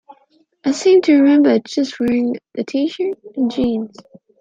I seem to remember just wearing a t-shirt and jeans.